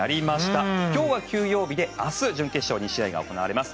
今日は休養日で明日準決勝２試合が行われます。